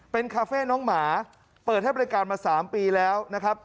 เป็นคาเฟ่น้องหมาเปิดให้บริการมา๓ปีแล้วนะครับ